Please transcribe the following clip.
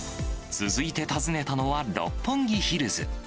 続いて訪ねたのは、六本木ヒルズ。